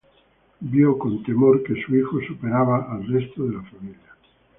Vio con temor que su hijo superaba al resto de la familia.